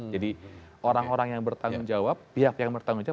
jadi orang orang yang bertanggung jawab pihak yang bertanggung jawab